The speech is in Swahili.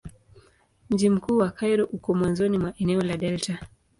Mji mkuu wa Kairo uko mwanzoni mwa eneo la delta.